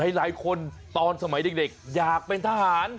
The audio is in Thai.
หลายคนตอนสมัยเด็กอยากเป็นทหาร